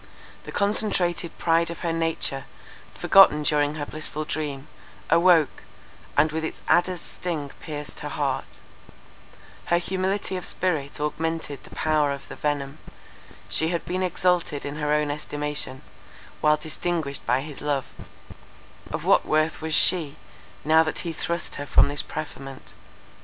The concentrated pride of her nature, forgotten during her blissful dream, awoke, and with its adder's sting pierced her heart; her humility of spirit augmented the power of the venom; she had been exalted in her own estimation, while distinguished by his love: of what worth was she, now that he thrust her from this preferment?